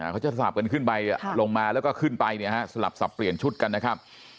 เขาจะสลับกันขึ้นไปลงมาแล้วก็ขึ้นไปเนี่ยฮะสลับสับเปลี่ยนชุดกันนะครับ